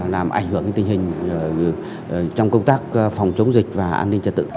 làm ảnh hưởng đến tình hình trong công tác phòng chống dịch và an ninh trật tự